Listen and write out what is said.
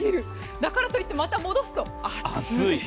だからといってまた戻すと暑い。